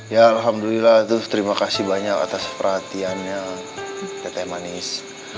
ya alhamdulillah terima kasih banyak atas perhatiannya pt manis